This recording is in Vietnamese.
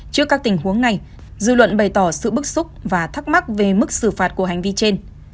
trước các tình huống này dư luận bày tỏ sự bức xúc và thắc mắc về mức xử phạt của hành vi trên